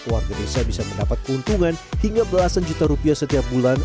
warga desa bisa mendapat keuntungan hingga belasan juta rupiah setiap bulan